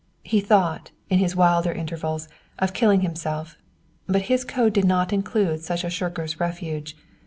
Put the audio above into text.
He thought, in his wilder intervals, of killing himself. But his code did not include such a shirker's refuge.